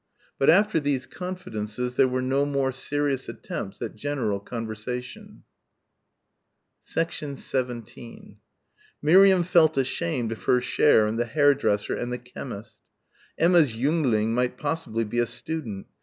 But after these confidences there were no more serious attempts at general conversation. 17 Miriam felt ashamed of her share in the hairdresser and the chemist. Emma's jüngling might possibly be a student....